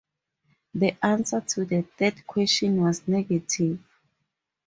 The answer to the third question was negative.